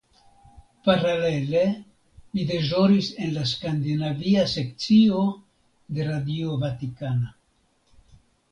Paralele li deĵoris en la skandinavia sekcio de Radio Vatikana.